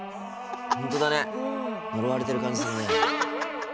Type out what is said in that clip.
本当だね呪われてる感じするね。